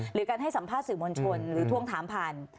หรือการให้สัมภาษณ์สื่อมวลชนหรือทวงถามผ่าน